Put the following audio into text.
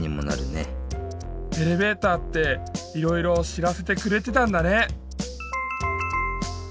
エレベーターっていろいろ知らせてくれてたんだね。